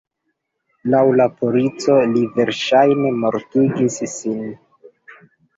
Laŭ la polico, li verŝajne mortigis sin.